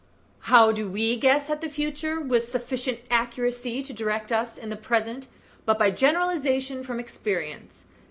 "How do we guess at the future with sufficient accuracy to direct us in the present but by generalization from experience?